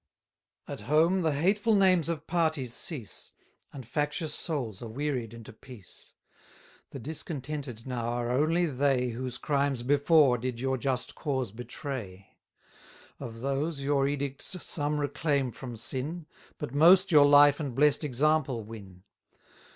At home the hateful names of parties cease, And factious souls are wearied into peace. The discontented now are only they Whose crimes before did your just cause betray: Of those, your edicts some reclaim from sin, But most your life and blest example win.